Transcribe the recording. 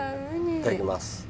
いただきます。